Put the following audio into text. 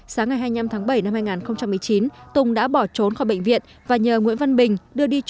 sáng ngày hai mươi năm tháng bảy năm hai nghìn một mươi chín tùng đã bỏ trốn khỏi bệnh viện và nhờ nguyễn văn bình đưa đi trốn